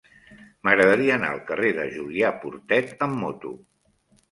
M'agradaria anar al carrer de Julià Portet amb moto.